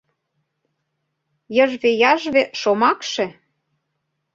Йыжве-яжве шомакше -